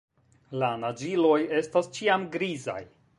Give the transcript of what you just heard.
La naĝiloj estas ĉiam grizaj.